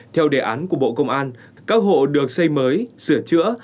theo đề án của bộ công an các hộ được xây mới sửa chữa